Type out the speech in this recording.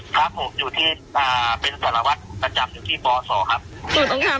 ครับผมอยู่ที่อ่าเป็นสารวัตรประจำที่บสครับ